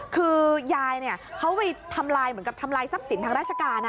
คือยายเขาไปทำลายเหมือนกับทำลายทรัพย์สินทางราชการ